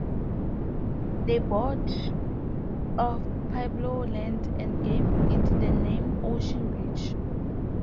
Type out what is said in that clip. They bought of pueblo land and gave it the name Ocean Beach.